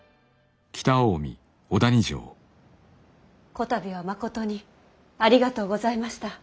こたびはまことにありがとうございました。